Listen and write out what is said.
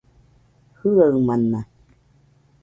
Jiaɨamana